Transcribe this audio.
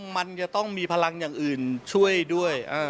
มันจะต้องมีพลังอย่างอื่นช่วยด้วย